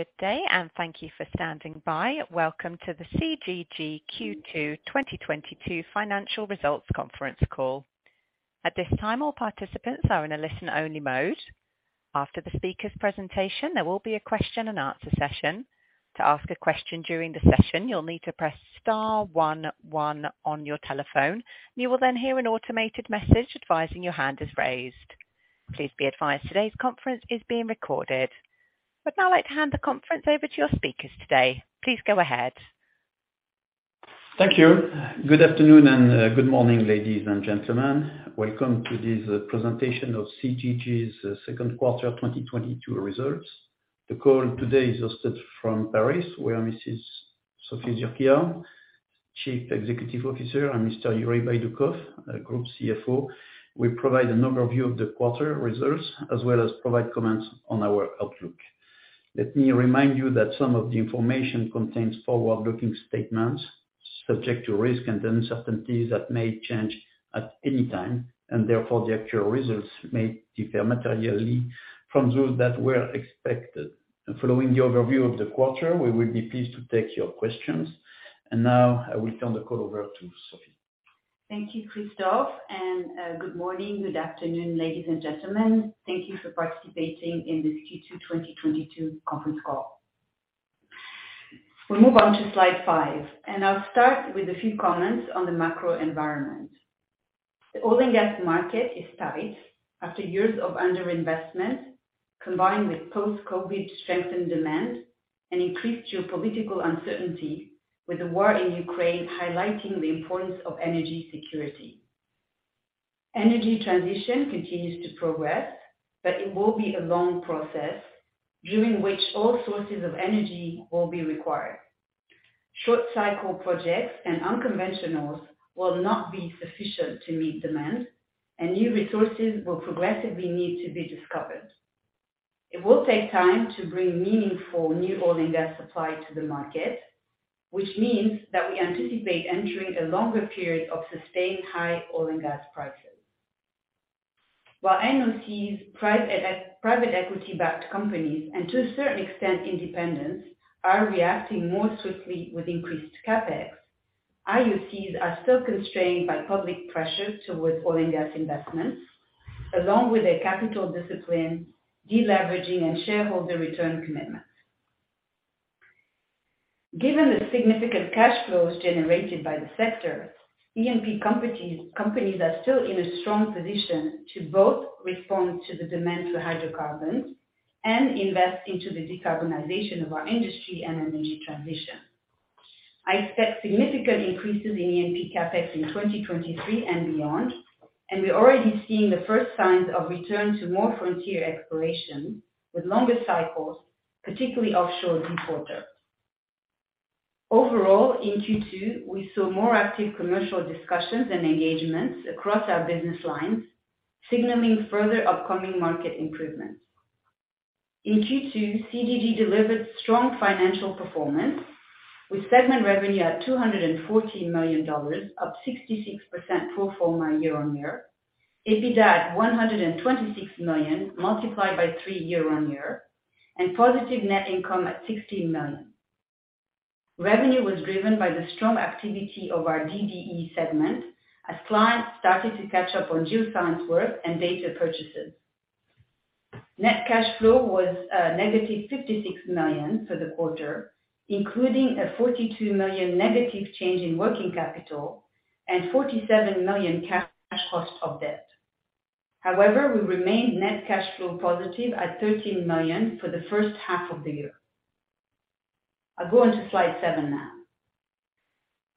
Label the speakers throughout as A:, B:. A: Good day, and thank you for standing by. Welcome to the CGG Q2 2022 Financial Results Conference Call. At this time, all participants are in a listen-only mode. After the speaker's presentation, there will be a question and answer session. To ask a question during the session, you'll need to press star one one on your telephone. You will then hear an automated message advising your hand is raised. Please be advised today's conference is being recorded. I'd now like to hand the conference over to your speakers today. Please go ahead.
B: Thank you. Good afternoon and good morning, ladies and gentlemen. Welcome to this presentation of CGG's Second Quarter 2022 Results. The call today is hosted from Paris, where Mrs. Sophie Zurquiyah, Chief Executive Officer, and Mr. Yuri Baidoukov, Group CFO, will provide an overview of the quarter results, as well as provide comments on our outlook. Let me remind you that some of the information contains forward-looking statements subject to risks and uncertainties that may change at any time, and therefore the actual results may differ materially from those that were expected. Following the overview of the quarter, we will be pleased to take your questions. Now, I will turn the call over to Sophie.
C: Thank you, Christophe, and good morning, good afternoon, ladies and gentlemen. Thank you for participating in this Q2 2022 Conference Call. We move on to slide 5, and I'll start with a few comments on the macro environment. The oil and gas market is tight after years of underinvestment, combined with post-COVID strengthened demand and increased geopolitical uncertainty, with the war in Ukraine highlighting the importance of energy security. Energy transition continues to progress, but it will be a long process during which all sources of energy will be required. Short-cycle projects and unconventionals will not be sufficient to meet demand, and new resources will progressively need to be discovered. It will take time to bring meaningful new oil and gas supply to the market, which means that we anticipate entering a longer period of sustained high oil and gas prices. While NOCs, privately equity-backed companies, and to a certain extent, independents, are reacting more swiftly with increased CapEx, IOCs are still constrained by public pressure towards oil and gas investments, along with their capital discipline, deleveraging, and shareholder return commitments. Given the significant cash flows generated by the sector, E&P companies are still in a strong position to both respond to the demand for hydrocarbons and invest into the decarbonization of our industry and energy transition. I expect significant increases in E&P CapEx in 2023 and beyond, and we're already seeing the first signs of return to more frontier exploration with longer cycles, particularly offshore this quarter. Overall, in Q2, we saw more active commercial discussions and engagements across our business lines, signaling further upcoming market improvements. In Q2, CGG delivered strong financial performance with segment revenue at $214 million, up 66% pro forma year-on-year, EBITDA at $126 million, x3 year-on-year, and positive net income at $16 million. Revenue was driven by the strong activity of our DDE segment as clients started to catch up on geoscience work and data purchases. Net cash flow was negative $56 million for the quarter, including a $42 million negative change in working capital and $47 million cash cost of debt. However, we remained net cash flow positive at $13 million for the first half of the year. I'll go on to slide seven now.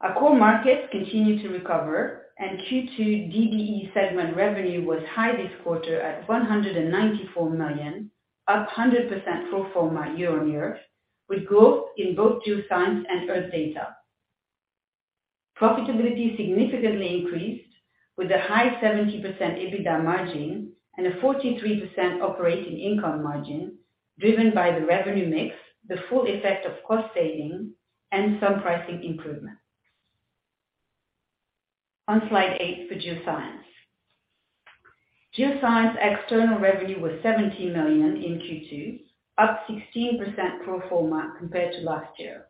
C: Our core markets continue to recover, and Q2 DDE segment revenue was high this quarter at $194 million, up 100% pro forma year-over-year, with growth in both Geoscience and Earth Data. Profitability significantly increased with a high 70% EBITDA margin and a 43% operating income margin, driven by the revenue mix, the full effect of cost saving, and some pricing improvements. On slide eight for Geoscience. Geoscience external revenue was $17 million in Q2, up 16% pro forma compared to last year.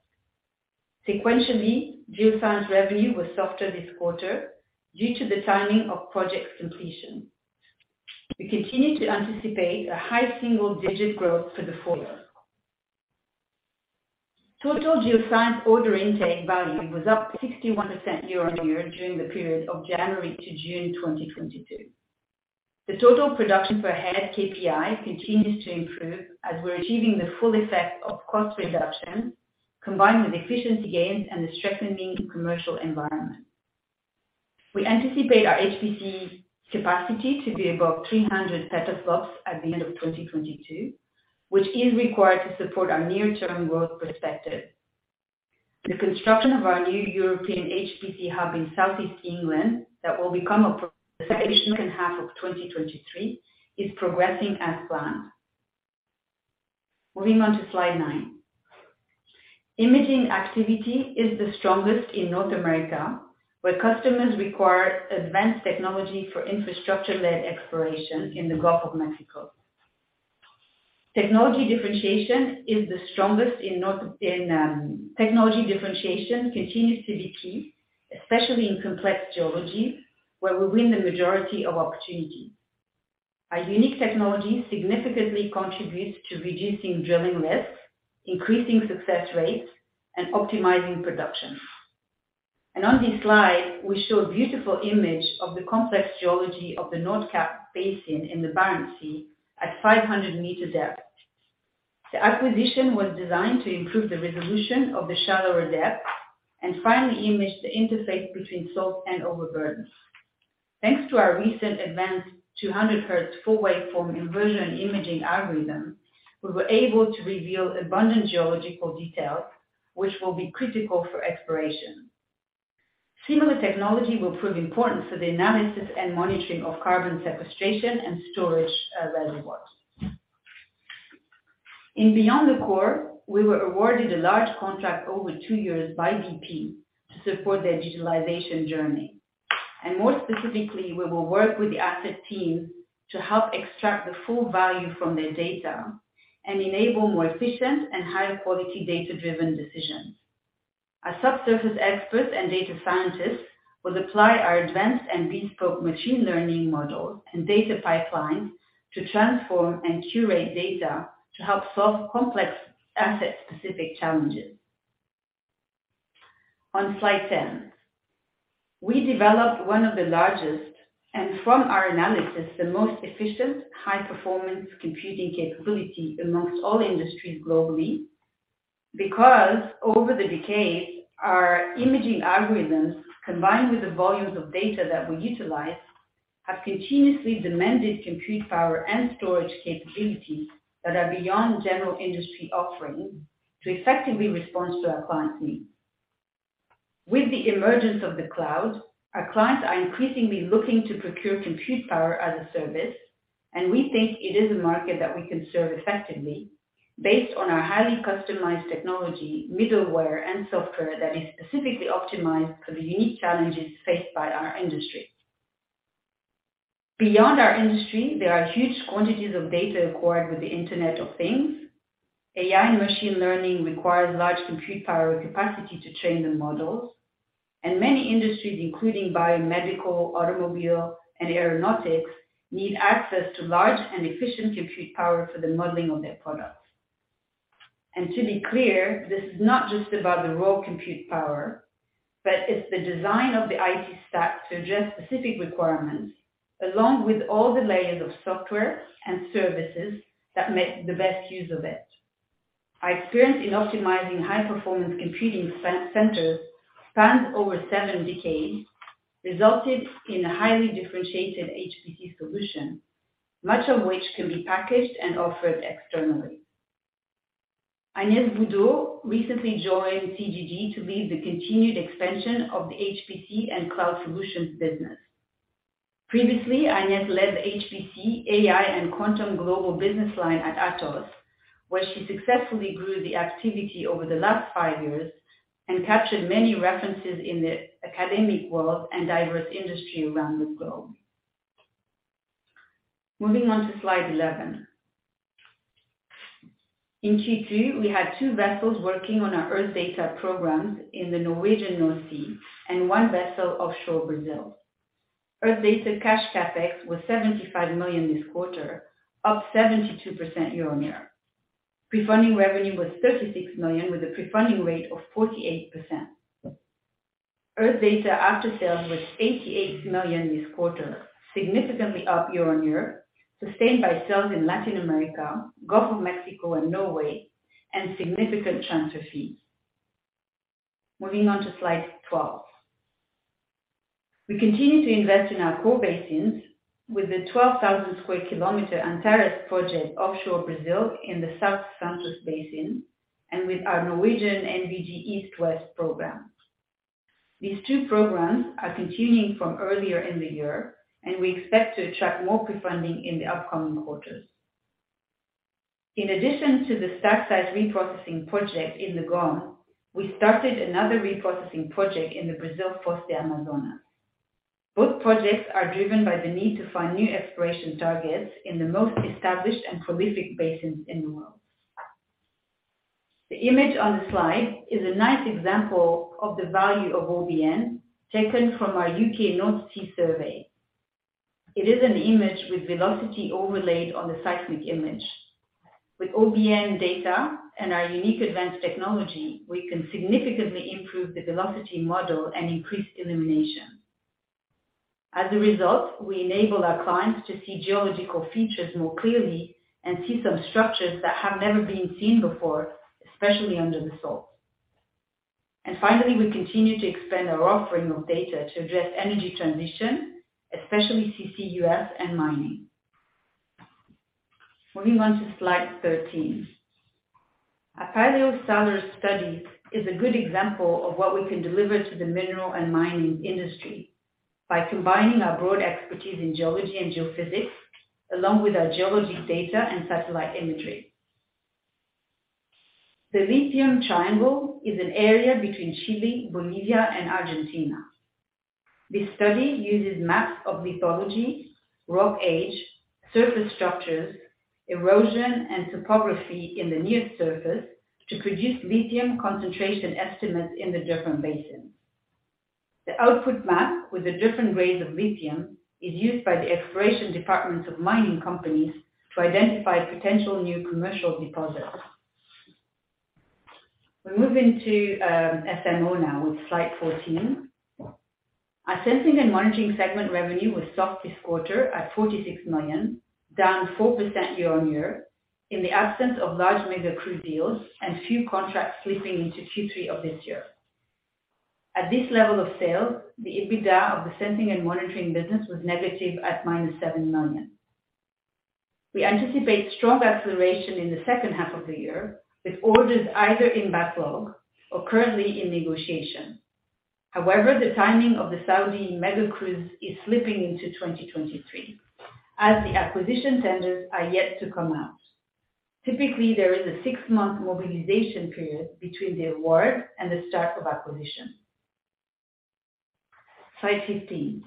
C: Sequentially, Geoscience revenue was softer this quarter due to the timing of project completion. We continue to anticipate a high single-digit growth for the full year. Total Geoscience order intake value was up 61% year-over-year during the period of January to June 2022. The total production per head KPI continues to improve as we're achieving the full effect of cost reduction, combined with efficiency gains and a strengthening commercial environment. We anticipate our HPC capacity to be above 300 petaflops at the end of 2022, which is required to support our near-term growth perspective. The construction of our new European HPC hub in Southeast England that will become operational in the second half of 2023 is progressing as planned. Moving on to slide 9. Imaging activity is the strongest in North America, where customers require advanced technology for infrastructure-led exploration in the Gulf of Mexico. Technology differentiation continues to be key, especially in complex geology, where we win the majority of opportunities. Our unique technology significantly contributes to reducing drilling risks, increasing success rates, and optimizing production. On this slide, we show a beautiful image of the complex geology of the Nordkapp Basin in the Barents Sea at 500-meter depth. The acquisition was designed to improve the resolution of the shallower depth and finally image the interface between salt and overburden. Thanks to our recent advanced 200 hertz Full Waveform Inversion and imaging algorithm, we were able to reveal abundant geological details, which will be critical for exploration. Similar technology will prove important for the analysis and monitoring of carbon sequestration and storage, reservoirs. In Beyond the Core, we were awarded a large contract over 2 years by BP to support their digitalization journey. More specifically, we will work with the asset team to help extract the full value from their data and enable more efficient and higher quality data-driven decisions. Our subsurface experts and data scientists will apply our advanced and bespoke machine learning model and data pipeline to transform and curate data to help solve complex asset-specific challenges. On slide 10. We developed one of the largest, and from our analysis, the most efficient, high-performance computing capability among all industries globally. Because over the decades, our imaging algorithms, combined with the volumes of data that we utilize, have continuously demanded compute power and storage capabilities that are beyond general industry offerings to effectively respond to our clients' needs. With the emergence of the cloud, our clients are increasingly looking to procure compute power as a service, and we think it is a market that we can serve effectively based on our highly customized technology, middleware, and software that is specifically optimized for the unique challenges faced by our industry. Beyond our industry, there are huge quantities of data acquired with the Internet of Things. AI and machine learning requires large compute power capacity to train the models. Many industries, including biomedical, automobile, and aeronautics, need access to large and efficient compute power for the modeling of their products. To be clear, this is not just about the raw compute power, but it's the design of the IT stack to address specific requirements, along with all the layers of software and services that make the best use of it. Our experience in optimizing high-performance computing centers spans over seven decades, resulted in a highly differentiated HPC solution, much of which can be packaged and offered externally. Agnès Boudot recently joined CGG to lead the continued expansion of the HPC and Cloud Solutions business. Previously, Agnès led the HPC, AI, and Quantum Global business line at Atos, where she successfully grew the activity over the last five years and captured many references in the academic world and diverse industry around the globe. Moving on to slide 11. In Q2, we had two vessels working on our Earth Data programs in the Norwegian North Sea and one vessel offshore Brazil. Earth Data cash CapEx was $75 million this quarter, up 72% year-on-year. Prefunding revenue was $36 million, with a prefunding rate of 48%. Earth Data after-sales was $88 million this quarter, significantly up year-on-year, sustained by sales in Latin America, Gulf of Mexico and Norway, and significant transfer fees. Moving on to slide 12. We continue to invest in our core basins with the 12,000 square kilometer Antares project offshore Brazil in the South Santos Basin and with our Norwegian NVG East West program. These two programs are continuing from earlier in the year, and we expect to attract more prefunding in the upcoming quarters. In addition to the stack size reprocessing project in the GoM, we started another reprocessing project in the Brazil Foz do Amazonas. Both projects are driven by the need to find new exploration targets in the most established and prolific basins in the world. The image on the slide is a nice example of the value of OBN taken from our UK North Sea survey. It is an image with velocity overlaid on the seismic image. With OBN data and our unique advanced technology, we can significantly improve the velocity model and increase illumination. As a result, we enable our clients to see geological features more clearly and see some structures that have never been seen before, especially under the salt. Finally, we continue to expand our offering of data to address energy transition, especially CCUS and mining. Moving on to slide 13. Our paleo salar study is a good example of what we can deliver to the mineral and mining industry. By combining our broad expertise in geology and geophysics, along with our geologic data and satellite imagery. The Lithium Triangle is an area between Chile, Bolivia, and Argentina. This study uses maps of lithology, rock age, surface structures, erosion, and topography in the near surface to produce lithium concentration estimates in the different basins. The output map with the different grades of lithium is used by the exploration departments of mining companies to identify potential new commercial deposits. We move into SMO now with slide 14. Our sensing and monitoring segment revenue was soft this quarter at $46 million, down 4% year-on-year, in the absence of large mega crew deals and few contracts slipping into Q3 of this year. At this level of sales, the EBITDA of the sensing and monitoring business was negative at -$7 million. We anticipate strong acceleration in the second half of the year, with orders either in backlog or currently in negotiation. However, the timing of the Saudi mega crews is slipping into 2023 as the acquisition tenders are yet to come out. Typically, there is a 6-month mobilization period between the award and the start of acquisition. Slide 15.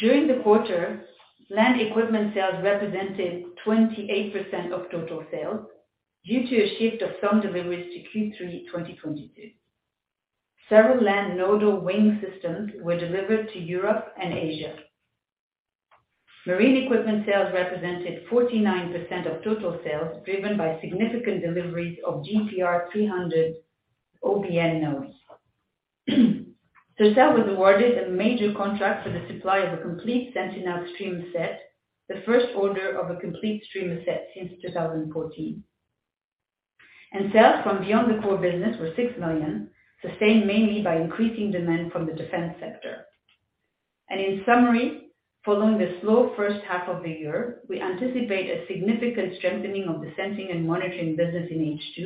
C: During the quarter, land equipment sales represented 28% of total sales due to a shift of some deliveries to Q3 2022. Several land nodal WiNG systems were delivered to Europe and Asia. Marine equipment sales represented 49% of total sales, driven by significant deliveries of GPR300 OBN nodes. Sercel was awarded a major contract for the supply of a complete Sentinel streamer set, the first order of a complete streamer set since 2014. Sales from beyond the core business were 6 million, sustained mainly by increasing demand from the defense sector. In summary, following the slow first half of the year, we anticipate a significant strengthening of the Sensing and Monitoring business in H2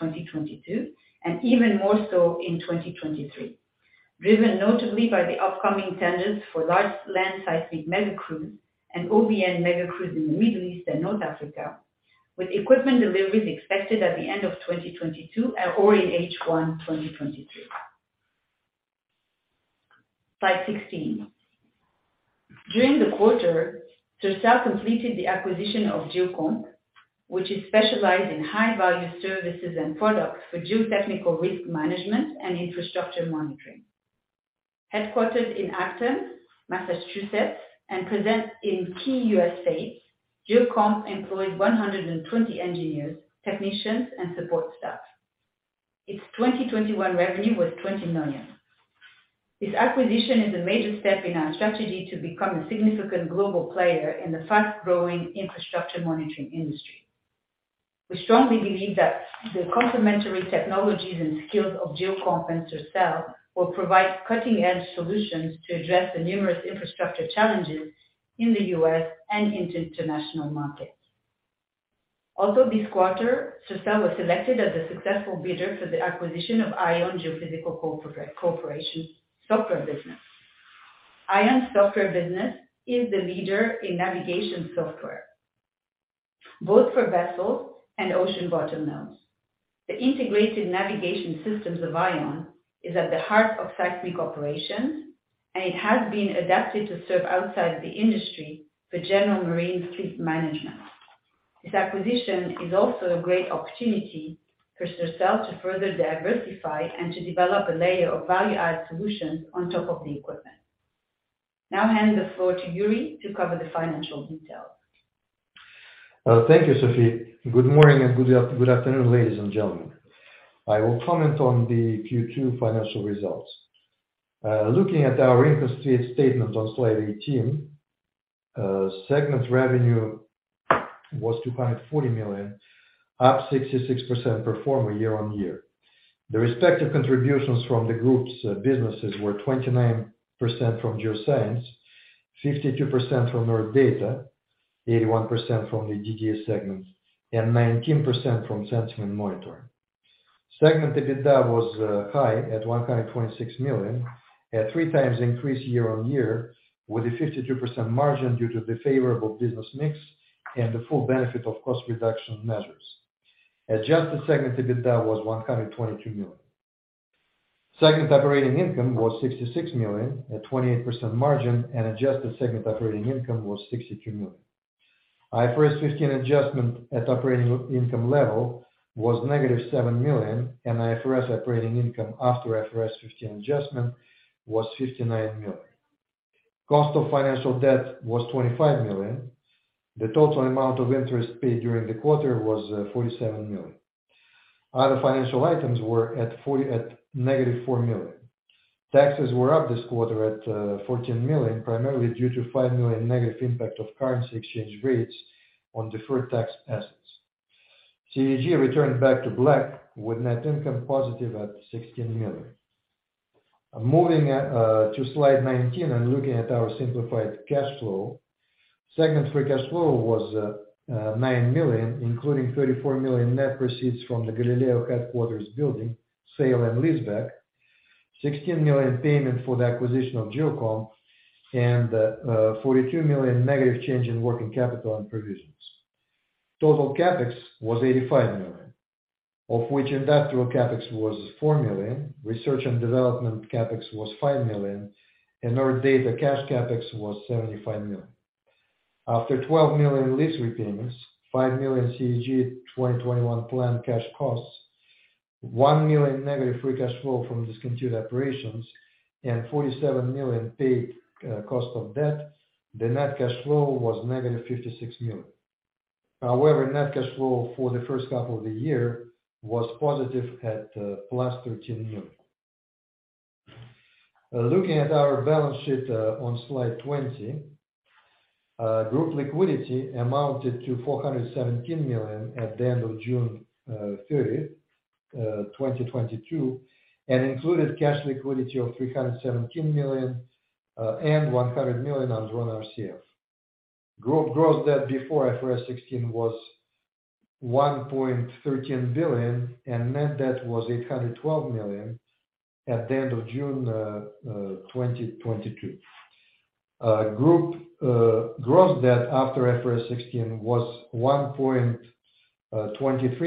C: 2022, and even more so in 2023. Driven notably by the upcoming tenders for large land seismic mega crews and OBN mega crews in the Middle East and North Africa, with equipment deliveries expected at the end of 2022 or in H1 2023. Slide 16. During the quarter, Sercel completed the acquisition of Geocomp, which is specialized in high-value services and products for geotechnical risk management and infrastructure monitoring. Headquartered in Acton, Massachusetts, and present in key U.S. states, Geocomp employs 120 engineers, technicians, and support staff. Its 2021 revenue was $20 million. This acquisition is a major step in our strategy to become a significant global player in the fast-growing infrastructure monitoring industry. We strongly believe that the complementary technologies and skills of Geocomp and Sercel will provide cutting-edge solutions to address the numerous infrastructure challenges in the U.S. and international markets. Also this quarter, Sercel was selected as the successful bidder for the acquisition of ION Geophysical Corporation's software business. ION's software business is the leader in navigation software, both for vessels and ocean bottom nodes. The integrated navigation systems of ION is at the heart of seismic operations, and it has been adapted to serve outside the industry for general marine fleet management. This acquisition is also a great opportunity for Sercel to further diversify and to develop a layer of value-add solutions on top of the equipment. Now I hand the floor to Yuri to cover the financial details.
D: Thank you, Sophie. Good morning and good afternoon, ladies and gentlemen. I will comment on the Q2 financial results. Looking at our income statement on slide 18, segment revenue was $240 million, up 66% year-on-year. The respective contributions from the group's businesses were 29% from geoscience, 52% from our data, 81% from the GBS segment, and 19% from sensing and monitoring. Segment EBITDA was high at $126 million, a three times increase year-on-year, with a 52% margin due to the favorable business mix and the full benefit of cost reduction measures. Adjusted segment EBITDA was $122 million. Segment operating income was $66 million at 28% margin, and adjusted segment operating income was $63 million. IFRS 15 adjustment at operating income level was -7 million, and IFRS operating income after IFRS 15 adjustment was 59 million. Cost of financial debt was 25 million. The total amount of interest paid during the quarter was 47 million. Other financial items were at -4 million. Taxes were up this quarter at 14 million, primarily due to 5 million negative impact of currency exchange rates on deferred tax assets. CGG returned back to black with net income positive at 16 million. Moving to slide 19 and looking at our simplified cash flow. Segment free cash flow was 9 million, including 34 million net proceeds from the Galileo headquarters building sale and leaseback, 16 million payment for the acquisition of Geocomp, and 42 million negative change in working capital and provisions. Total CapEx was 85 million, of which industrial CapEx was 4 million, research and development CapEx was 5 million, and our data cash CapEx was 75 million. After 12 million lease repayments, 5 million CGG 2021 plan cash costs, 1 million negative free cash flow from discontinued operations, and 47 million paid cost of debt, the net cash flow was -56 million. However, net cash flow for the first half of the year was positive at +13 million. Looking at our balance sheet on slide 20, group liquidity amounted to 417 million at the end of June 30th 2022, and included cash liquidity of 317 million and 100 million on drawn RCF. Group gross debt before IFRS 16 was 1.13 billion, and net debt was 812 million at the end of June 2022. Group gross debt after IFRS 16 was 1.23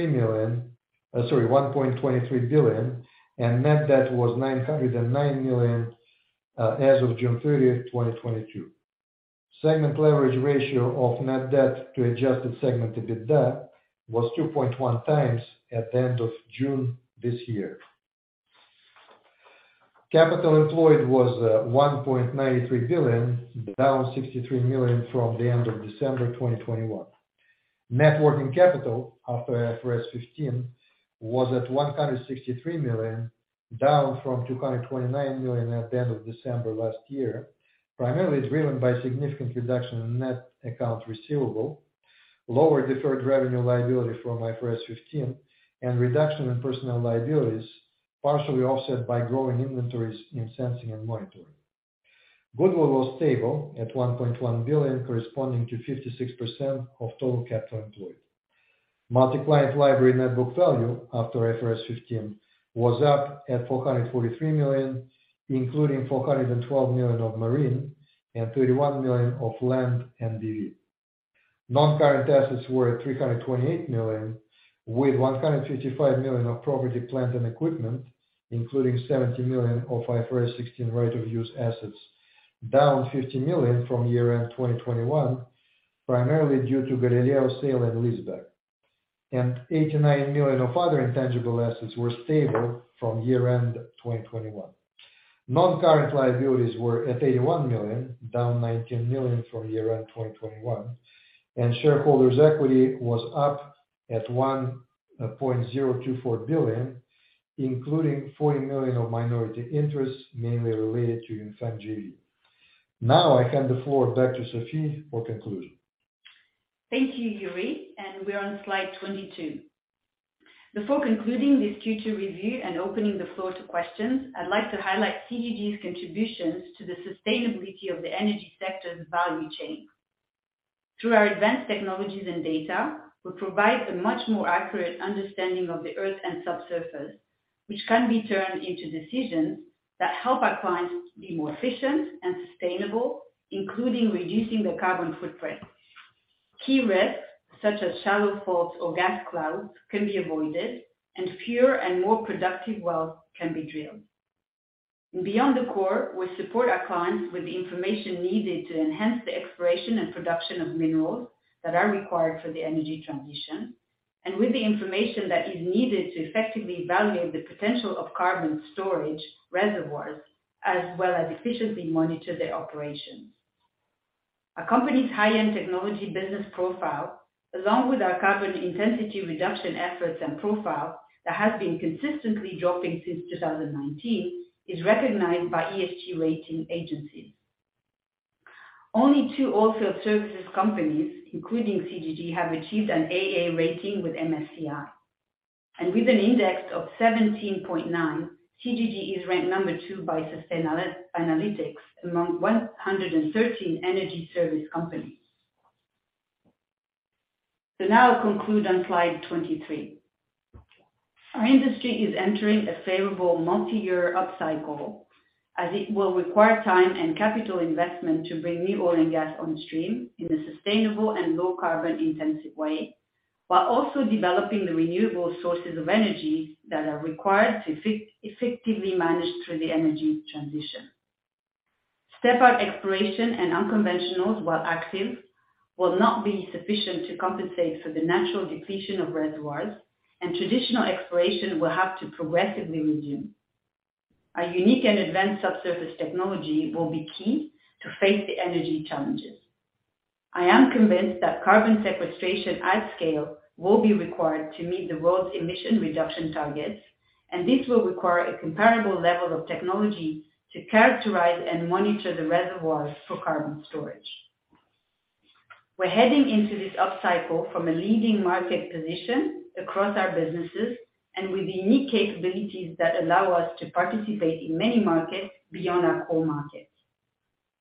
D: billion, and net debt was 909 million as of June 30th 2022. Segment leverage ratio of net debt to adjusted segment EBITDA was 2.1 times at the end of June this year. Capital employed was 1.93 billion, down 63 million from the end of December 2021. Net working capital after IFRS 15 was at 163 million, down from 229 million at the end of December last year, primarily driven by significant reduction in net accounts receivable, lower deferred revenue liability from IFRS 15, and reduction in personnel liabilities, partially offset by growing inventories in Sensing and Monitoring. Goodwill was stable at 1.1 billion, corresponding to 56% of total capital employed. Multi-client library net book value after IFRS 15 was up at 443 million, including 412 million of marine and 31 million of land NBV. Non-current assets were at 328 million, with 155 million of property, plant, and equipment, including 70 million of IFRS 16 right of use assets, down 50 million from year-end 2021, primarily due to Galileo sale and leaseback. 89 million of other intangible assets were stable from year-end 2021. Non-current liabilities were at 81 million, down 19 million from year-end 2021. Shareholders' equity was up at 1.024 billion, including 40 million of minority interests mainly related to JunFeng JV. Now I hand the floor back to Sophie for conclusion.
C: Thank you, Yuri, and we're on slide 22. Before concluding this Q2 review and opening the floor to questions, I'd like to highlight CGG's contributions to the sustainability of the energy sector's value chain. Through our advanced technologies and data, we provide a much more accurate understanding of the earth and subsurface, which can be turned into decisions that help our clients be more efficient and sustainable, including reducing their carbon footprint. Key risks, such as shallow faults or gas clouds, can be avoided, and fewer and more productive wells can be drilled. Beyond the core, we support our clients with the information needed to enhance the exploration and production of minerals that are required for the energy transition, and with the information that is needed to effectively evaluate the potential of carbon storage reservoirs, as well as efficiently monitor their operations. Our company's high-end technology business profile, along with our carbon intensity reduction efforts and profile that has been consistently dropping since 2019, is recognized by ESG rating agencies. Only two oilfield services companies, including CGG, have achieved an AA rating with MSCI. With an index of 17.9, CGG is ranked number 2 by Sustainalytics among 113 energy service companies. Now I'll conclude on slide 23. Our industry is entering a favorable multi-year upcycle, as it will require time and capital investment to bring new oil and gas on stream in a sustainable and low carbon intensive way, while also developing the renewable sources of energy that are required to effectively manage through the energy transition. Step-out exploration and unconventionals, while active, will not be sufficient to compensate for the natural depletion of reservoirs, and traditional exploration will have to progressively resume. Our unique and advanced subsurface technology will be key to face the energy challenges. I am convinced that carbon sequestration at scale will be required to meet the world's emission reduction targets, and this will require a comparable level of technology to characterize and monitor the reservoirs for carbon storage. We're heading into this upcycle from a leading market position across our businesses. With unique capabilities that allow us to participate in many markets beyond our core markets.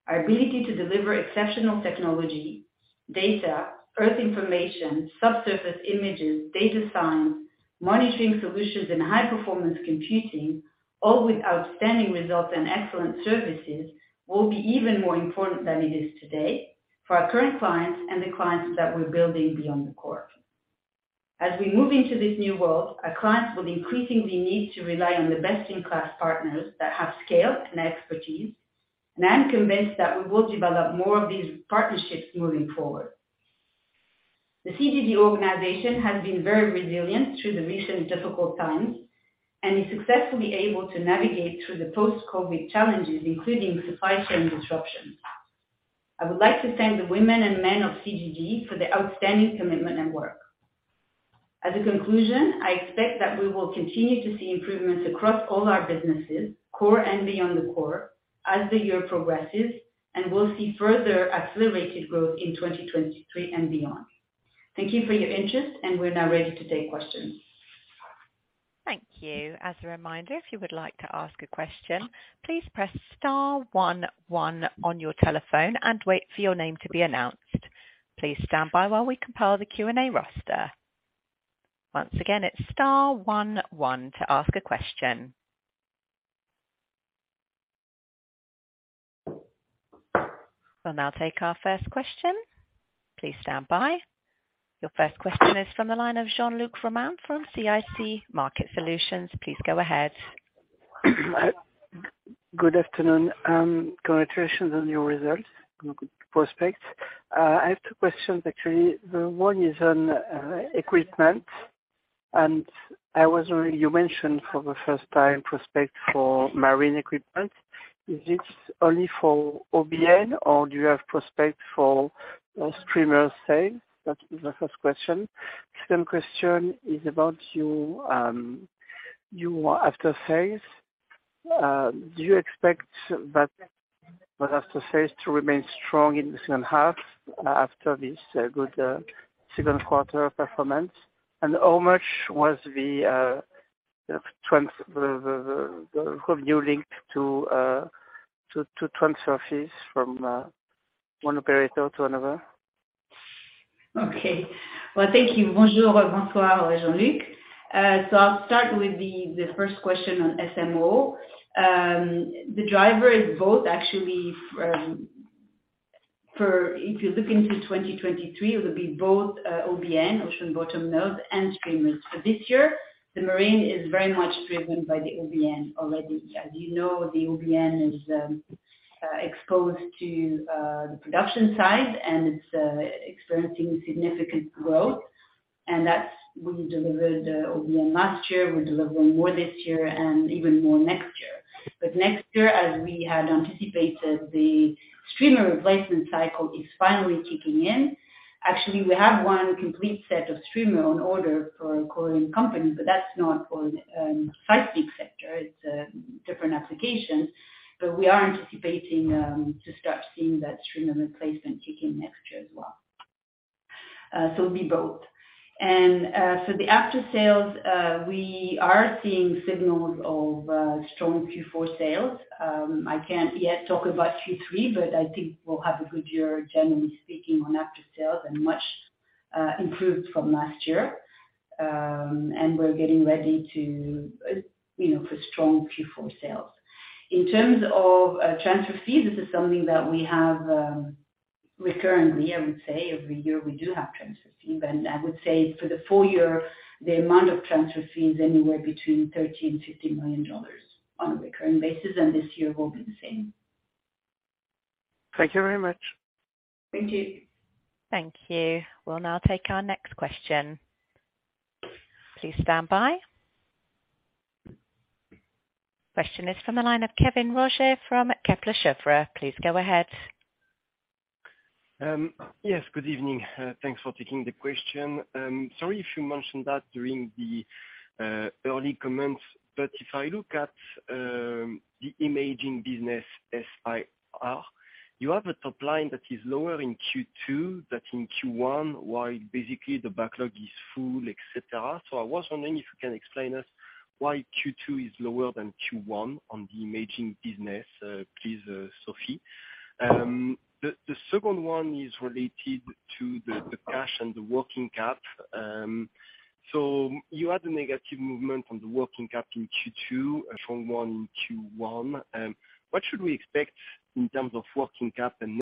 C: Our ability to deliver exceptional technology, data, earth information, subsurface images, data science, monitoring solutions, and high-performance computing, all with outstanding results and excellent services, will be even more important than it is today for our current clients and the clients that we're building beyond the core. As we move into this new world, our clients will increasingly need to rely on the best-in-class partners that have scale and expertise. I am convinced that we will develop more of these partnerships moving forward. The CGG organization has been very resilient through the recent difficult times and is successfully able to navigate through the post-COVID challenges, including supply chain disruptions. I would like to thank the women and men of CGG for their outstanding commitment and work. As a conclusion, I expect that we will continue to see improvements across all our businesses, core and beyond the core as the year progresses, and we'll see further accelerated growth in 2023 and beyond. Thank you for your interest, and we're now ready to take questions.
A: Thank you. As a reminder, if you would like to ask a question, please press star one one on your telephone and wait for your name to be announced. Please stand by while we compile the Q&A roster. Once again, it's star one one to ask a question. We'll now take our first question. Please stand by. Your first question is from the line of Jean-Luc Romain from CIC Market Solutions. Please go ahead.
E: Good afternoon, and congratulations on your results prospects. I have two questions, actually. One is on equipment, and I was reading you mentioned for the first time prospect for marine equipment. Is this only for OBN, or do you have prospects for streamer sales? That's the first question. Second question is about after sales. Do you expect that for after sales to remain strong in the second half after this good second quarter performance? And how much was the revenue linked to transfer fees from one operator to another?
C: Okay. Well, thank you. Bonjour et bon soir, Jean-Luc. So I'll start with the first question on SMO. The driver is both actually, for if you look into 2023, it will be both, OBN, Ocean Bottom Node, and streamers. For this year, the marine is very much driven by the OBN already. As you know, the OBN is exposed to the production side, and it's experiencing significant growth. That's when we delivered OBN last year. We're delivering more this year and even more next year. But next year, as we had anticipated, the streamer replacement cycle is finally kicking in. Actually, we have one complete set of streamer on order for a company, but that's not for seismic sector. It's a different application. We are anticipating to start seeing that streamer replacement kick in next year as well. It'll be both. For the after sales, we are seeing signals of strong Q4 sales. I can't yet talk about Q3, but I think we'll have a good year, generally speaking, on after sales and much improved from last year. We're getting ready to, you know, for strong Q4 sales. In terms of transfer fees, this is something that we have recurrently, I would say, every year we do have transfer fees. I would say for the full year, the amount of transfer fees anywhere between $13 million-$15 million on a recurring basis, and this year will be the same.
E: Thank you very much.
C: Thank you.
A: Thank you. We'll now take our next question. Please stand by. Question is from the line of Kévin Roger from Kepler Cheuvreux. Please go ahead.
F: Yes, good evening. Thanks for taking the question. Sorry if you mentioned that during the early comments, but if I look at the imaging business there, you have a top line that is lower in Q2 than in Q1, while basically the backlog is full, et cetera. I was wondering if you can explain us why Q2 is lower than Q1 on the imaging business, please, Sophie. The second one is related to the cash and the working cap. You had a negative movement from the working cap in Q2 from Q1. What should we expect in terms of working cap and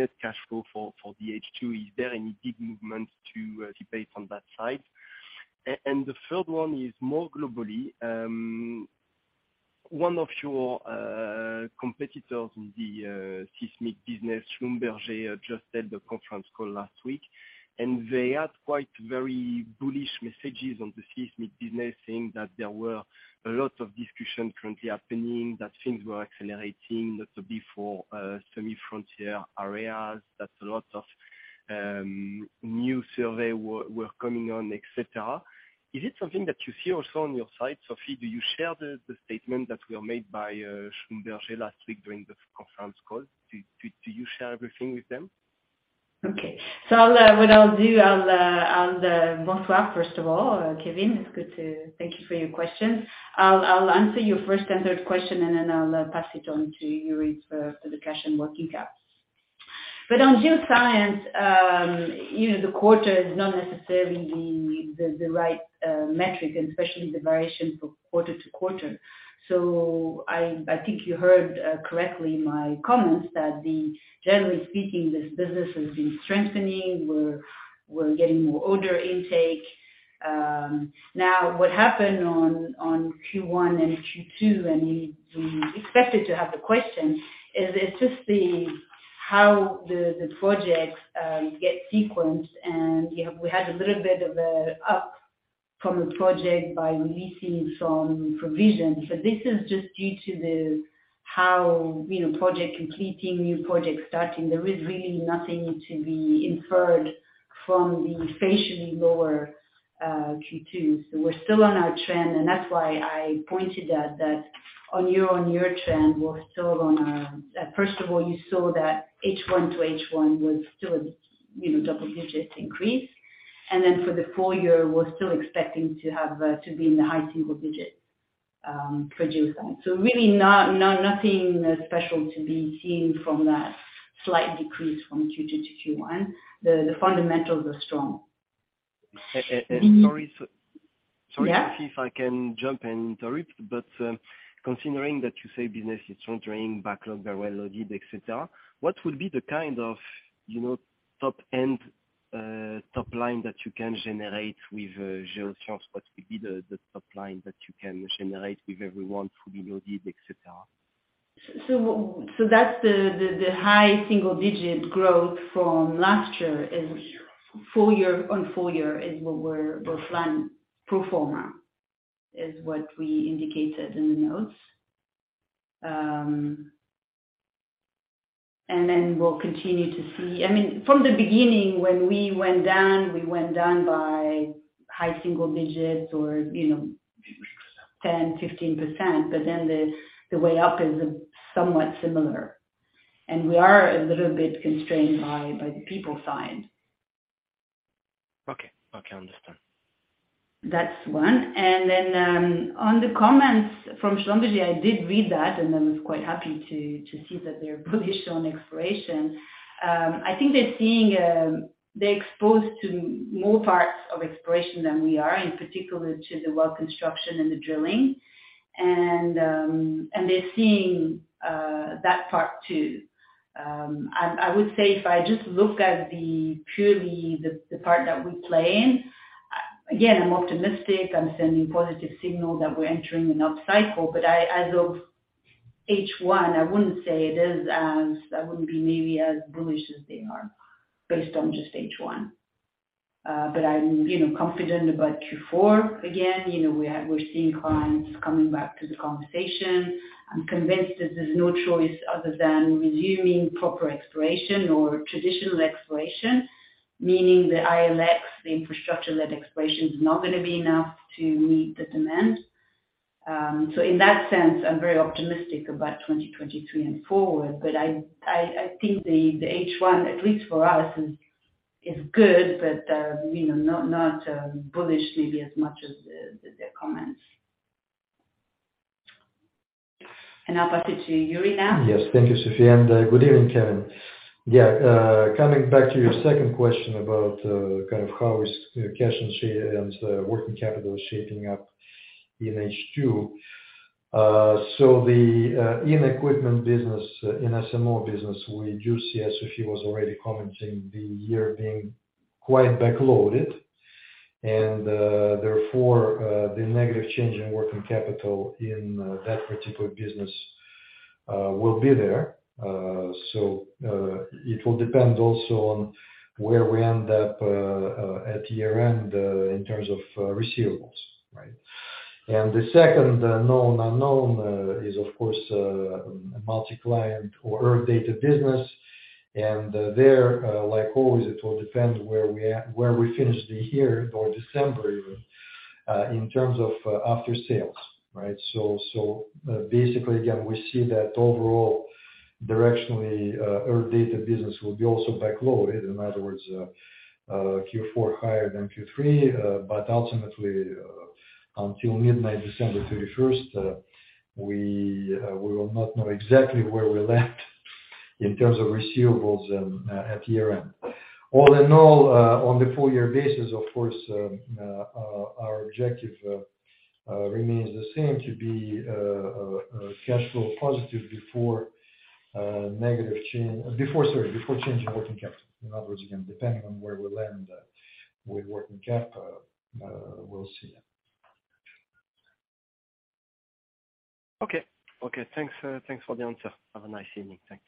F: net cash flow for the H2? Is there any big movement to anticipate on that side? The third one is more globally. One of your competitors in the seismic business, Schlumberger, just did the conference call last week, and they had quite very bullish messages on the seismic business, saying that there were a lot of discussion currently happening, that things were accelerating, lots of semi-frontier areas, that a lot of new survey were coming on, et cetera. Is it something that you see also on your side, Sophie? Do you share the statement that were made by Schlumberger last week during the conference call? Do you share everything with them?
C: Bonsoir, first of all, Kévin. Thank you for your question. I'll answer your first and third question, and then I'll pass it on to Yuri for the cash and working cap. On Geoscience, you know, the quarter is not necessarily the right metric, and especially the variation from quarter to quarter. I think you heard correctly my comments that generally speaking, this business has been strengthening. We're getting more order intake. Now, what happened on Q1 and Q2, and we expected to have the question, is it's just how the projects get sequenced. You know, we had a little bit of a up from the project by releasing some provision. This is just due to how, you know, project completing, new projects starting. There is really nothing to be inferred from the slightly lower Q2. We're still on our trend, and that's why I pointed out that on year-on-year trend, we're still on our. First of all, you saw that H1 to H1 was still, you know, double-digit increase. Then for the full year, we're still expecting to have to be in the high single-digit growth. Really nothing special to be seen from that slight decrease from Q2 to Q1. The fundamentals are strong.
F: A-a-and sorry s-
C: Yeah.
F: Sorry, Sophie, if I can jump and interrupt. Considering that you say business is centering, backlog very well loaded, et cetera, what would be the kind of, you know, top end, top line that you can generate with Geoscience? What will be the top line that you can generate with everyone fully loaded, et cetera?
C: That's the high single digit growth from last year is Full year on full year is what we'll plan pro forma, is what we indicated in the notes. We'll continue to see. I mean, from the beginning, when we went down, we went down by high single digits or, you know, 10%-15%, but then the way up is somewhat similar. We are a little bit constrained by the people side.
F: Okay, understand.
C: That's one. Then, on the comments from Schlumberger, I did read that, and I was quite happy to see that they're bullish on exploration. I think they're seeing they're exposed to more parts of exploration than we are, in particular to the well construction and the drilling. They're seeing that part too. I would say if I just look at purely the part that we play in, again, I'm optimistic. I'm sending positive signal that we're entering an upcycle. As of H1, I wouldn't be maybe as bullish as they are based on just H1. I'm, you know, confident about Q4. Again, you know, we're seeing clients coming back to the conversation. I'm convinced that there's no choice other than resuming proper exploration or traditional exploration. Meaning the ILX, the infrastructure-led exploration is not gonna be enough to meet the demand. So in that sense, I'm very optimistic about 2023 and forward. I think the H1, at least for us, is good but you know, not bullish maybe as much as the comments. I'll pass it to Yuri now.
D: Yes. Thank you, Sophie, and good evening, Kévin. Coming back to your second question about kind of how is cash and working capital shaping up in H2. In the equipment business, in SMO business, we do see, as Sophie was already commenting, the year being quite backloaded. Therefore, the negative change in working capital in that particular business will be there. It will depend also on where we end up at year-end in terms of receivables, right? The second known unknown is of course the multi-client, our Earth Data business. There, like always, it all depends where we finish the year or even December in terms of after sales, right? Basically, again, we see that overall directionally, Earth Data business will be also backloaded. In other words, Q4 higher than Q3. Ultimately, until midnight December thirty-first, we will not know exactly where we left in terms of receivables at year-end. All in all, on the full year basis, of course, our objective remains the same to be cash flow positive before change in working capital. In other words, again, depending on where we land with working cap, we'll see.
F: Okay. Thanks for the answer. Have a nice evening. Thanks.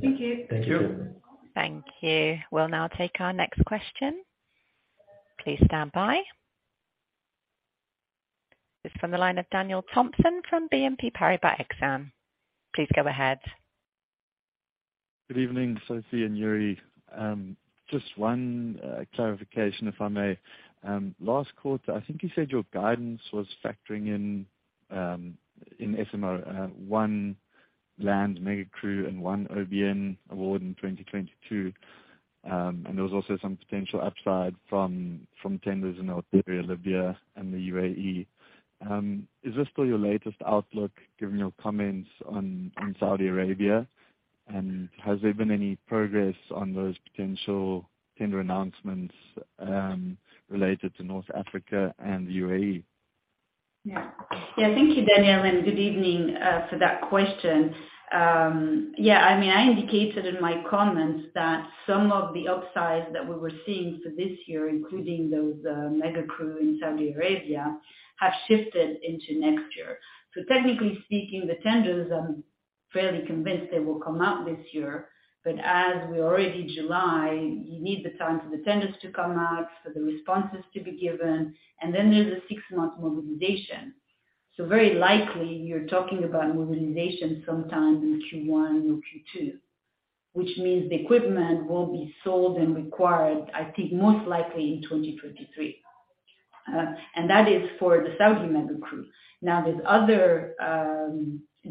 C: Thank you.
D: Thank you.
F: Thank you.
A: Thank you. We'll now take our next question. Please stand by. This is from the line of Daniel Thomson from BNP Paribas Exane. Please go ahead.
G: Good evening, Sophie and Yuri. Just one clarification if I may. Last quarter, I think you said your guidance was factoring in SMO one land mega crew and one OBN award in 2022. There was also some potential upside from tenders in Algeria, Libya, and the UAE. Is this still your latest outlook given your comments on Saudi Arabia? Has there been any progress on those potential tender announcements related to North Africa and the UAE?
C: Yeah. Thank you, Daniel, and good evening for that question. Yeah, I mean, I indicated in my comments that some of the upsides that we were seeing for this year, including those mega crew in Saudi Arabia, have shifted into next year. Technically speaking, the tenders, I'm fairly convinced they will come out this year, but as we're already July, you need the time for the tenders to come out, for the responses to be given, and then there's a six-month mobilization. Very likely, you're talking about mobilization sometime in Q1 or Q2, which means the equipment will be sold and required, I think, most likely in 2023. That is for the Saudi mega crew. Now, there's other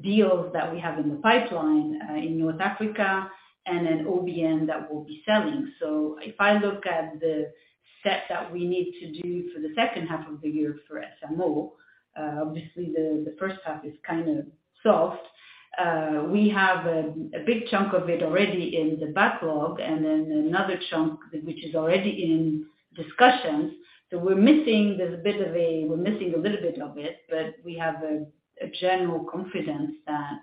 C: deals that we have in the pipeline in North Africa and an OBN that we'll be selling. If I look at the set that we need to do for the second half of the year for SMO, obviously the first half is kind of soft. We have a big chunk of it already in the backlog and then another chunk which is already in discussions. We're missing a little bit of it, but we have a general confidence that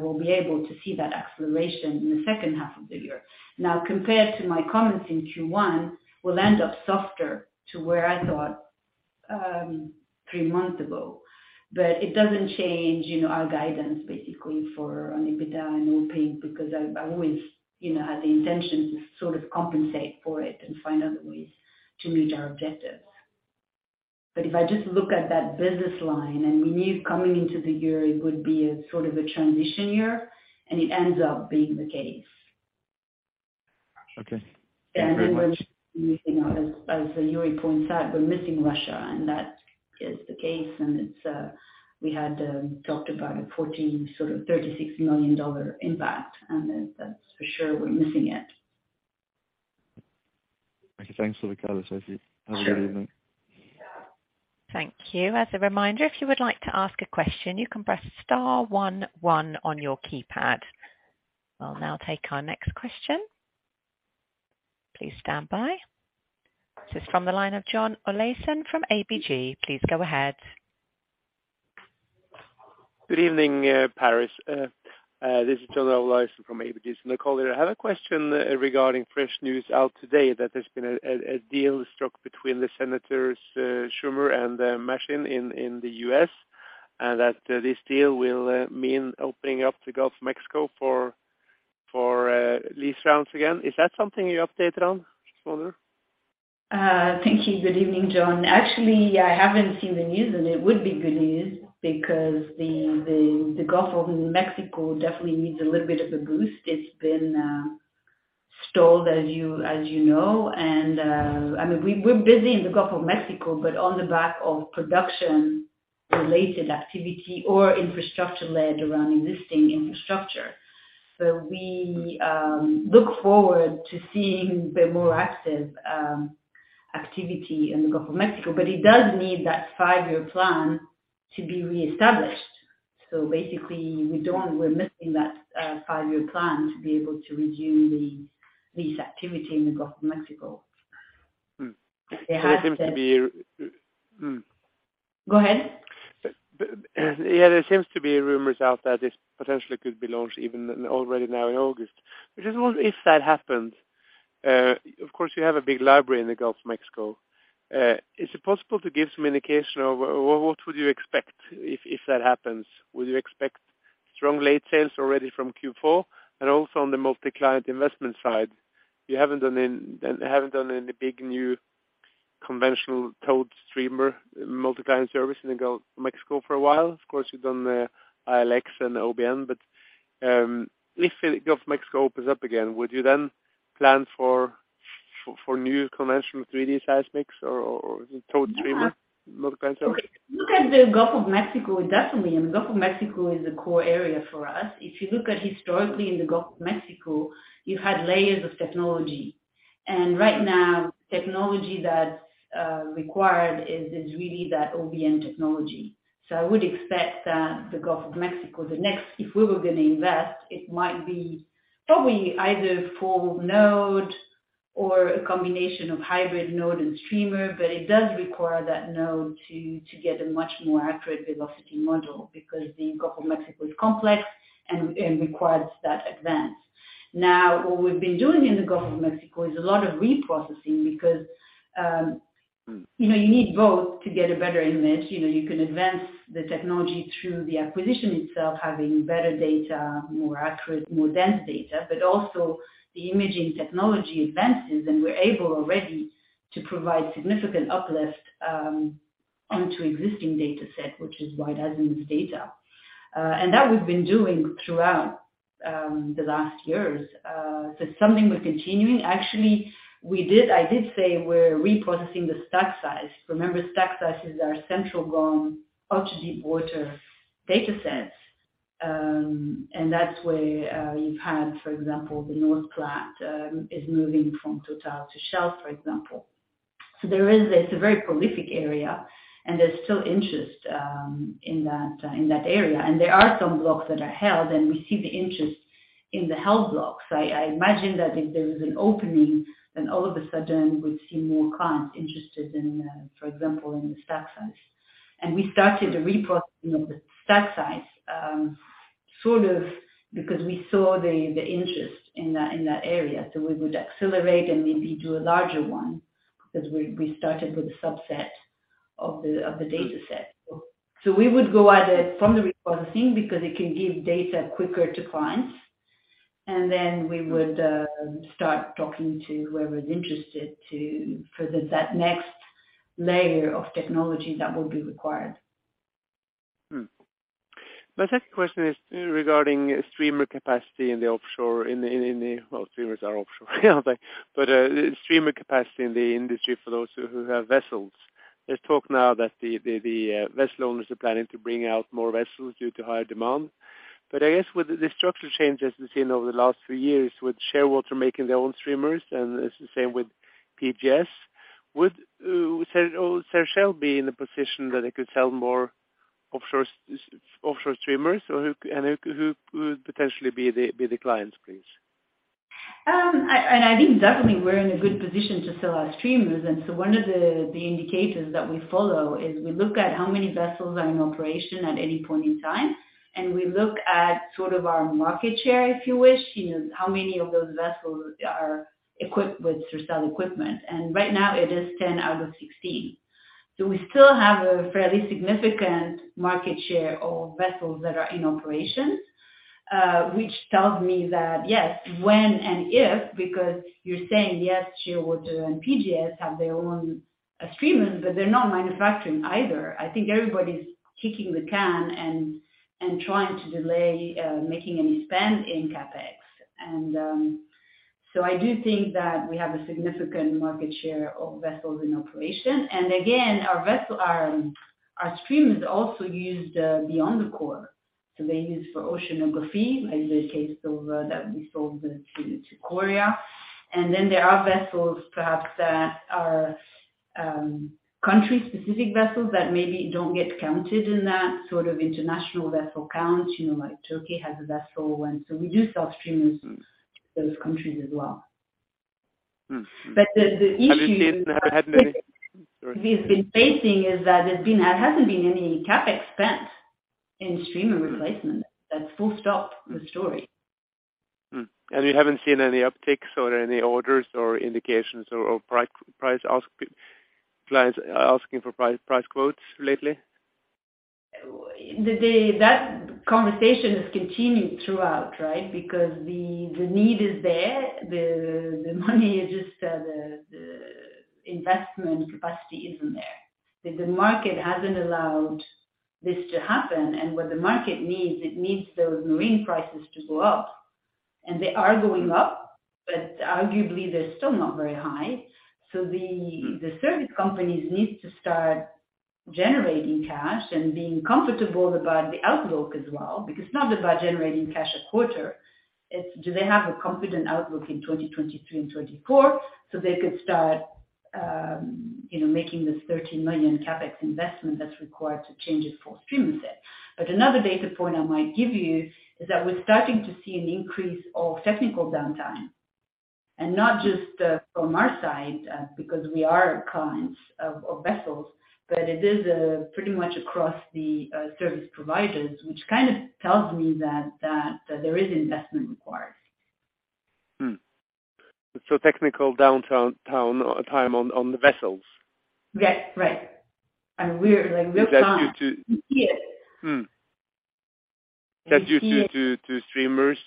C: we'll be able to see that acceleration in the second half of the year. Now, compared to my comments in Q1, we'll end up softer to where I thought three months ago. It doesn't change, you know, our guidance basically for on EBITDA and operating, because I always, you know, had the intention to sort of compensate for it and find other ways to meet our objectives. If I just look at that business line, and we knew coming into the year it would be a sort of a transition year, and it ends up being the case.
G: Okay. Thank you very much.
C: You know, as Yuri pointed out, we're missing Russia, and that is the case, and it's we had talked about 14, sort of $36 million impact, and that's for sure we're missing it.
G: Okay, thanks for the color, Sophie.
C: Sure.
G: Have a good evening.
A: Thank you. As a reminder, if you would like to ask a question, you can press star one one on your keypad. I'll now take our next question. Please stand by. This is from the line of John Olaisen from ABG. Please go ahead.
H: Good evening, Paris. This is John Olaisen from ABG Sundal Collier. I have a question regarding fresh news out today that there's been a deal struck between the Senators Schumer and Manchin in the US, and that this deal will mean opening up the Gulf of Mexico for lease rounds again. Is that something you updated on? Just wonder.
C: Thank you. Good evening, John. Actually, I haven't seen the news, and it would be good news because the Gulf of Mexico definitely needs a little bit of a boost. It's been stalled, as you know, and I mean, we're busy in the Gulf of Mexico, but on the back of production-related activity or infrastructure led around existing infrastructure. We look forward to seeing the more active activity in the Gulf of Mexico, but it does need that five-year plan to be reestablished. Basically, we're missing that five-year plan to be able to resume the lease activity in the Gulf of Mexico.
H: Mm.
C: Yeah.
H: There seems to be.
C: Go ahead.
H: Yeah, there seems to be rumors out that this potentially could be launched even already now in August. I just wonder if that happens, of course you have a big library in the Gulf of Mexico. Is it possible to give some indication of what would you expect if that happens? Would you expect strong late sales already from Q4? Also on the multi-client investment side, you haven't done any big new conventional towed streamer multi-client service in the Gulf of Mexico for a while. Of course, you've done the ILX and OBN, but if the Gulf of Mexico opens up again, would you then plan for new conventional 3D seismics or the towed streamer multi-client service?
C: Look at the Gulf of Mexico, definitely. I mean, Gulf of Mexico is a core area for us. If you look at historically in the Gulf of Mexico, you had layers of technology. Right now technology that's required is really that OBN technology. I would expect that the Gulf of Mexico. If we were gonna invest, it might be probably either full node or a combination of hybrid node and streamer, but it does require that node to get a much more accurate velocity model because the Gulf of Mexico is complex and requires that advance. Now, what we've been doing in the Gulf of Mexico is a lot of reprocessing because you know, you need both to get a better image. You know, you can advance the technology through the acquisition itself, having better data, more accurate, more dense data, but also the imaging technology advances, and we're able already to provide significant uplift onto existing data set, which is Wide-Azimuth data. And that we've been doing throughout the last years. So something we're continuing. Actually, I did say we're reprocessing the StagSeis. Remember, StagSeis is our Central GoM ultra deep water datasets. And that's where you've had, for example, the North Platte is moving from Total to Shell, for example. It's a very prolific area, and there's still interest in that area. And there are some blocks that are held, and we see the interest in the held blocks. I imagine that if there is an opening, then all of a sudden we'd see more clients interested in, for example, in the stack size. We started the reprocessing of the stack size, sort of because we saw the interest in that area. We would accelerate and maybe do a larger one because we started with a subset of the dataset. We would go at it from the reprocessing because it can give data quicker to clients. We would start talking to whoever is interested to present that next layer of technology that will be required.
H: My second question is regarding streamer capacity in the offshore. Well, streamers are offshore, but streamer capacity in the industry for those who have vessels. There's talk now that the vessel owners are planning to bring out more vessels due to higher demand. I guess with the structural changes we've seen over the last few years with Shearwater making their own streamers, and it's the same with PGS. Would Sercel be in a position that it could sell more offshore streamers? Or who would potentially be the clients, please?
C: I think definitely we're in a good position to sell our streamers. One of the indicators that we follow is we look at how many vessels are in operation at any point in time, and we look at sort of our market share, if you wish. You know, how many of those vessels are equipped with Sercel equipment. Right now it is 10 out of 16. We still have a fairly significant market share of vessels that are in operation, which tells me that, yes, when and if, because you're saying, yes, Shearwater and PGS have their own streamers, but they're not manufacturing either. I think everybody's kicking the can and trying to delay making any spend in CapEx. I do think that we have a significant market share of vessels in operation. Our streamers are also used beyond the core. They're used for oceanography, like the case of that we sold to Korea. There are vessels perhaps that are country-specific vessels that maybe don't get counted in that sort of international vessel count. You know, like Turkey has a vessel. We do sell streamers to those countries as well.
H: Mm-hmm.
C: The issue.
H: Have you seen? Sorry.
C: we've been facing is that there hasn't been any CapEx spent in streamer replacement. That's full stop the story.
H: You haven't seen any upticks or any orders or indications or clients asking for price quotes lately?
C: That conversation has continued throughout, right? Because the need is there. The money is just, the investment capacity isn't there. The market hasn't allowed this to happen. What the market needs, it needs those marine prices to go up. They are going up, but arguably they're still not very high. The service companies need to start generating cash and being comfortable about the outlook as well, because it's not about generating cash a quarter. It's do they have a confident outlook in 2023 and 2024, so they could start, you know, making this 13 million CapEx investment that's required to change a full streamer set. Another data point I might give you is that we're starting to see an increase of technical downtime. Not just from our side, because we are clients of vessels, but it is pretty much across the service providers, which kind of tells me that there is investment required.
H: Technical downtime on the vessels?
C: Yes. Right. We're like, "Look, guys, we see it.
H: Mm.
C: We see it.
H: That's due to streamers,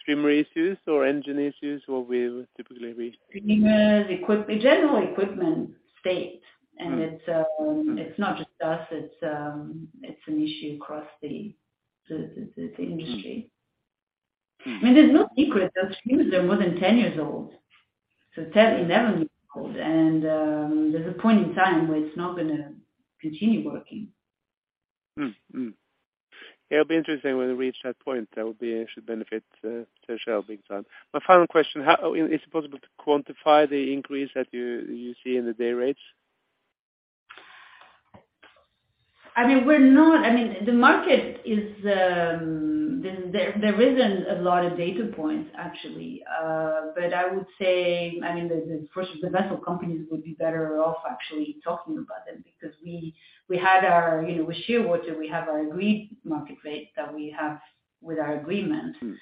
H: streamer issues or engine issues or what would typically be?
C: Streamers, equipment, general equipment state.
H: Mm-hmm.
C: It's not just us, it's an issue across the industry.
H: Mm.
C: I mean, there's no secret that streamers are more than 10 years old, so 10, 11 years old. There's a point in time where it's not gonna continue working.
H: It'll be interesting when we reach that point. It should benefit Sercel big time. My final question, is it possible to quantify the increase that you see in the day rates?
C: I mean, the market is, there isn't a lot of data points, actually. I would say, I mean, the first, the vessel companies would be better off actually talking about them because we had our, you know, with Shearwater we have agreed market rate that we have with our agreement.
D: Mm.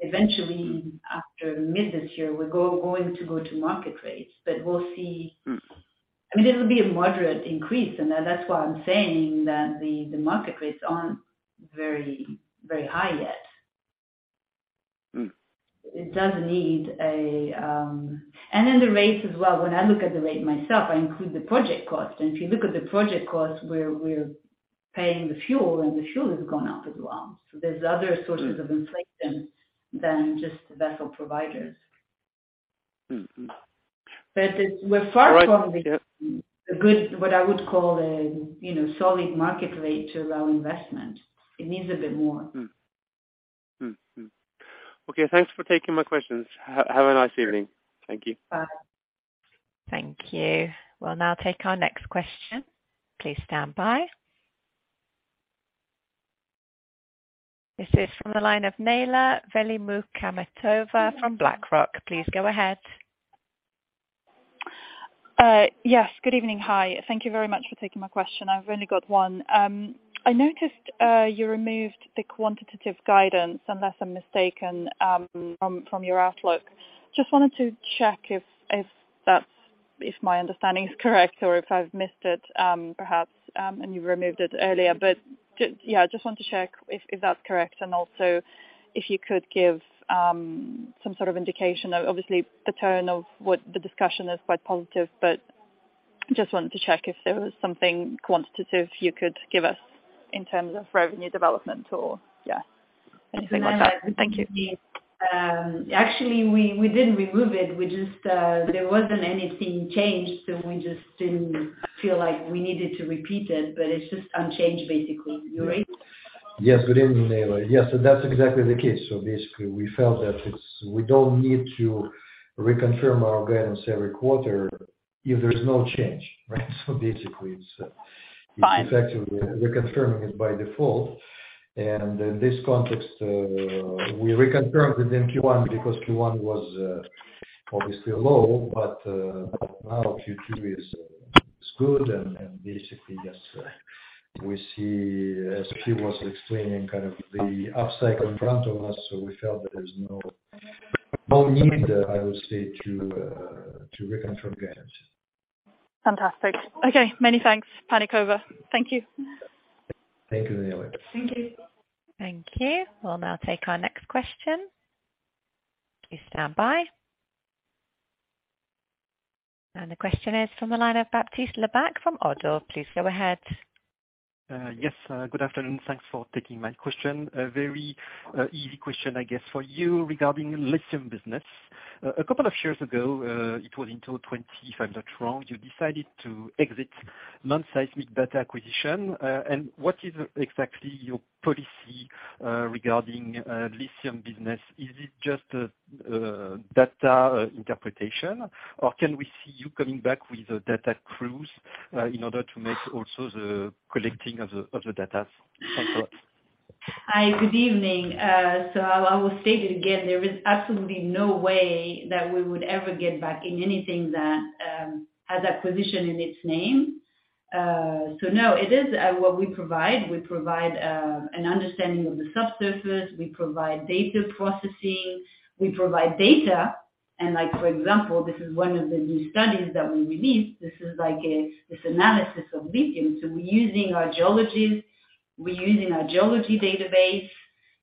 C: Eventually
D: Mm.
C: After mid this year, we're going to go to market rates, but we'll see.
D: Mm.
C: I mean, it'll be a moderate increase, and that's why I'm saying that the market rates aren't very, very high yet.
D: Mm.
C: It does need. Then the rates as well. When I look at the rate myself, I include the project cost. If you look at the project cost, we're paying the fuel, and the fuel has gone up as well. There's other sources.
D: Mm.
C: Of inflation than just the vessel providers.
D: Mm-mm.
C: We're far from the.
D: Right. Yep.
C: What I would call a, you know, solid market rate to allow investment. It needs a bit more.
D: Okay, thanks for taking my questions. Have a nice evening. Thank you.
C: Bye.
A: Thank you. We'll now take our next question. Please stand by. This is from the line of Neyla Velimoukhametova from BlackRock. Please go ahead.
I: Yes. Good evening. Hi. Thank you very much for taking my question. I've only got one. I noticed you removed the quantitative guidance, unless I'm mistaken, from your outlook. Just wanted to check if that's. If my understanding is correct or if I've missed it, perhaps, and you removed it earlier. Just, yeah, just want to check if that's correct, and also if you could give some sort of indication. Obviously, the tone of what the discussion is quite positive, but just wanted to check if there was something quantitative you could give us in terms of revenue development or, yeah. Anything like that. Thank you.
C: Actually, we didn't remove it. We just. There wasn't anything changed, so we just didn't feel like we needed to repeat it, but it's just unchanged basically. Yuri?
D: Yes. Good evening, Neyla. Yes, that's exactly the case. Basically we felt that it's. We don't need to reconfirm our guidance every quarter if there's no change, right? Basically it's.
I: Fine.
D: It's effectively reconfirming it by default. In this context, we reconfirmed it in Q1 because Q1 was obviously low. Now Q2 is good and basically just we see, as she was explaining, kind of the up cycle in front of us, so we felt that there's no need, I would say, to reconfirm guidance.
I: Fantastic. Okay. Many thanks. Panic over. Thank you.
D: Thank you, Neyla.
C: Thank you.
A: Thank you. We'll now take our next question. Please stand by. The question is from the line of Baptiste Lebacq from ODDO. Please go ahead.
J: Yes. Good afternoon. Thanks for taking my question. A very easy question, I guess, for you regarding lithium business. A couple of years ago, it was in 25, if I'm not wrong, you decided to exit non-seismic data acquisition. What is exactly your policy regarding lithium business? Is it just a data interpretation, or can we see you coming back with data crews in order to make also the collecting of the data? Thanks a lot.
C: Hi. Good evening. I will state it again. There is absolutely no way that we would ever get back in anything that has acquisition in its name. No, it is what we provide. We provide an understanding of the subsurface, we provide data processing, we provide data. Like, for example, this is one of the new studies that we released. This analysis of lithium. We're using our geologists, we're using our geology database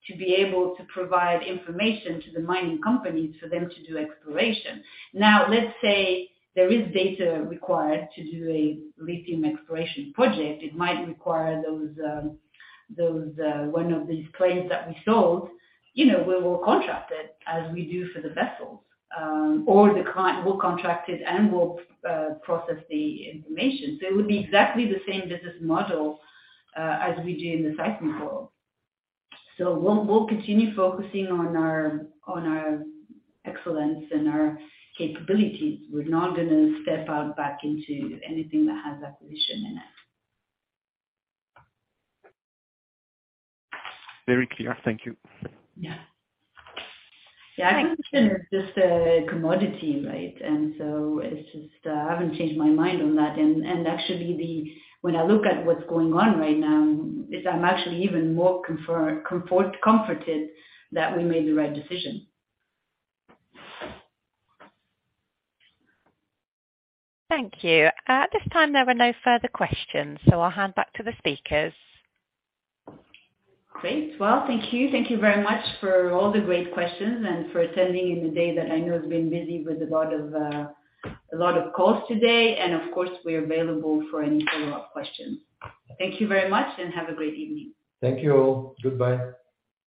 C: to be able to provide information to the mining companies for them to do exploration. Now, let's say there is data required to do a lithium exploration project. It might require those one of these claims that we sold. You know, we will contract it as we do for the vessels. Or the client. We'll contract it and we'll process the information. It would be exactly the same business model as we do in the seismic world. We'll continue focusing on our excellence and our capabilities. We're not gonna step back into anything that has acquisition in it.
J: Very clear. Thank you.
C: Yeah.
A: Thanks.
C: Yeah, acquisition is just a commodity, right? It's just, I haven't changed my mind on that. Actually, when I look at what's going on right now, I'm actually even more comforted that we made the right decision.
A: Thank you. At this time, there were no further questions, so I'll hand back to the speakers.
C: Great. Well, thank you. Thank you very much for all the great questions and for attending on the day that I know has been busy with a lot of, a lot of calls today. Of course, we're available for any follow-up questions. Thank you very much and have a great evening.
D: Thank you all. Goodbye.